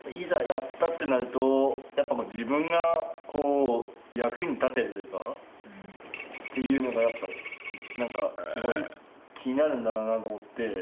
やったってなると自分がこう役に立ててるかっていうのがやっぱ何かすごい気になるんだろうなと思って。